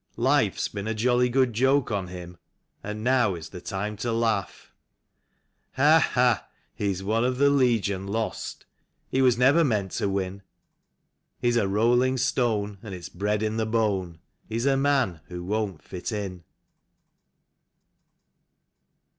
Life's been a jolly good joke on him, And now is the time to laugh. Ha, ha ! He is one of the Legion Lost ; He was never meant to win; He's a rolling stone, and it's bred in the bone; He's a man who" won't fit in.